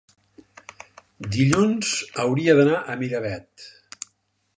dilluns hauria d'anar a Miravet.